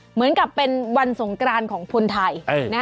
เหมือนกับเป็นวันสงกรานของคนไทย